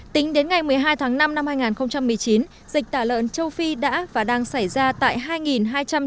tính đến ngày một mươi hai tháng năm năm hai nghìn một mươi chín dịch tả lợn châu phi đã và đang xảy ra tại hai hai trăm chín mươi sáu xã